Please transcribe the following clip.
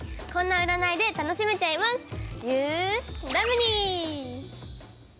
こんな占いで楽しめちゃいます。